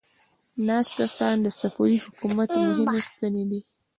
ناست کسان د صفوي حکومت مهمې ستنې دي.